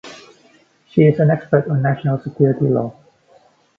She is an expert on national security law.